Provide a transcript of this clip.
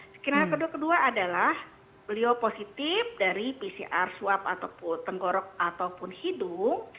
skenario kedua adalah beliau positif dari pcr swab ataupun tenggorok ataupun hidung